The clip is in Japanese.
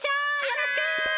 よろしく！